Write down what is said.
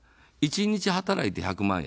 １日働いて１００万円。